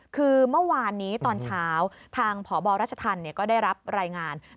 คือเมื่อวานนี้ตอนเช้าทางพบรัชธรรมก็ได้รับรายงาน